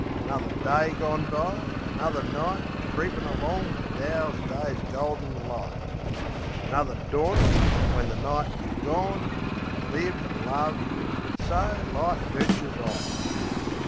Another day gone by; another night Creepin' along to douse Day's golden light; Another dawnin', when the night is gone, To live an' love an' so life mooches on.